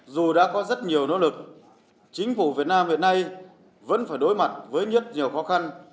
dù đã có rất nhiều nỗ lực chính phủ việt nam hiện nay vẫn phải đối mặt với rất nhiều khó khăn